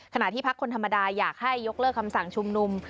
ที่พักคนธรรมดาอยากให้ยกเลิกคำสั่งชุมนุม